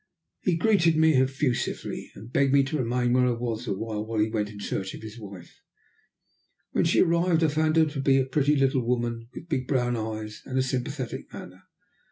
He greeted me effusively, and begged me to remain where I was while he went in search of his wife. When she arrived, I found her to be a pretty little woman, with big brown eyes, and a sympathetic manner.